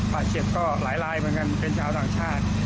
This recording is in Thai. บาดเจ็บก็หลายลายเหมือนกันเป็นชาวต่างชาติ